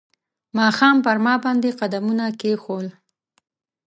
ماښام پر ما باندې قدمونه کښېښول